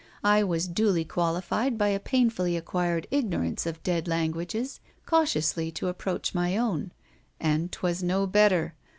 I was duly qualified by a painfully acquired ignorance of dead languages cautiously to approach my own; and 'twas no better.